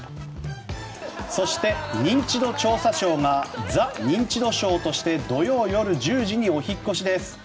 そして「ニンチド調査ショー」が「ザ・ニンチドショー」として土曜夜１０時にお引っ越しです。